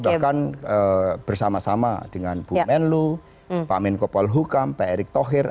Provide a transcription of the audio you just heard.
bahkan bersama sama dengan bu menlu pak menko polhukam pak erick thohir